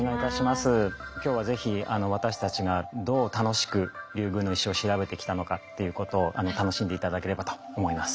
今日は是非私たちがどう楽しくリュウグウの石を調べてきたのかっていうことを楽しんで頂ければと思います。